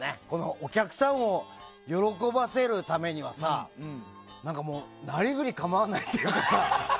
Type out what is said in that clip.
お客さんを喜ばせるためにはさなりふり構わないというかさ。